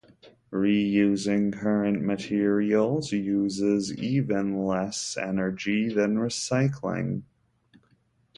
Reusing current materials uses even less energy than recycling.